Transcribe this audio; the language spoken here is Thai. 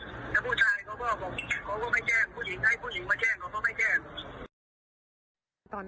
แล้วผู้ชายเขาก็บอกว่าเขาก็ไม่แจ้งให้ผู้หญิงมาแจ้งเขาก็ไม่แจ้ง